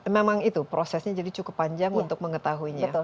memang itu prosesnya jadi cukup panjang untuk mengetahuinya